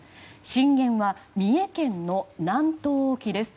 震源は三重県の南東沖です。